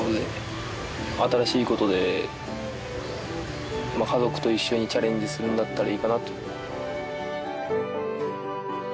新しい事で家族と一緒にチャレンジするんだったらいいかなという。